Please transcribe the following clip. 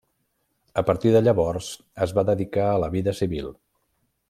A partir de llavors es va dedicar a la vida civil.